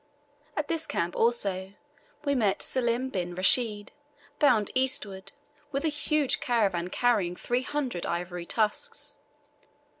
At this camp, also, we met Salim bin Rashid, bound eastward, with a huge caravan carrying three hundred ivory tusks.